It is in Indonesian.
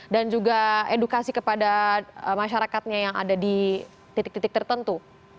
dan juga edukasi kepada masyarakatnya yang ada di titik titik tertentu